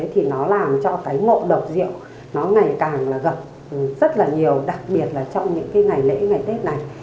thì nó làm cho cái ngộ độc rượu nó ngày càng gặp rất là nhiều đặc biệt là trong những cái ngày lễ ngày tết này